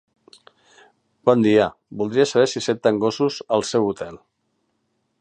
Bon dia, voldria saber si accepten gossos al seu hotel.